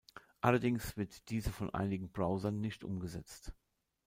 Allerdings wird diese von einigen Browsern nicht umgesetzt.